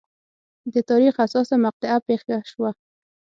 د تاریخ حساسه مقطعه پېښه شوه.